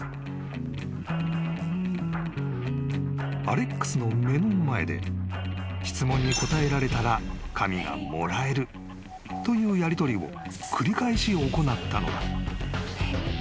［アレックスの目の前で質問に答えられたら紙がもらえるというやりとりを繰り返し行ったのだ］